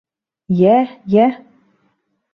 — Йә, йә...